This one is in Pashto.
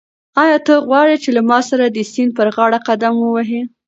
آیا ته غواړې چې له ما سره د سیند پر غاړه قدم ووهې؟